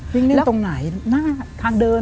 วิ่งเล่นตรงไหนทางเดินหรือเปล่า